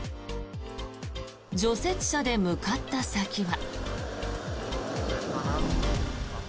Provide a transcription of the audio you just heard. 除雪車で向かった先は。